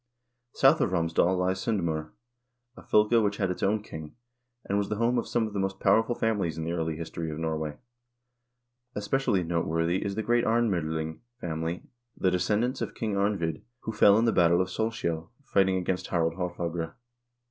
South of Romsdal lies S0ndm0r, a fylke which had its own king, and was the home of some of the most powerful families in the early history of Norway. Especially noteworthy is the great Arnm0dling family, the descendants of King Arnvid who fell in the battle of Solskjel fighting against Harald Haarfagre.